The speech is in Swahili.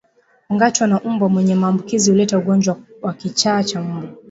Kungatwa na mbwa mwenye maambukizi huleta ugonjwa wa kichaa cha mbwa